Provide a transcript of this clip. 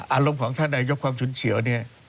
อารมณ์ของท่านในยกความฉุนเฉียว